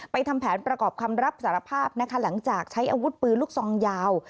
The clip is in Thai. ทำแผนประกอบคำรับสารภาพนะคะหลังจากใช้อาวุธปืนลูกซองยาว